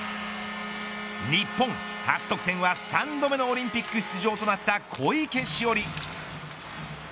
日本初得点は３度目のオリンピック出場となった小池詩織。